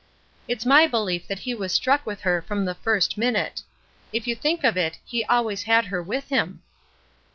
It's my belief that he was struck with her from the first minute. If you think of it, he always had her with him.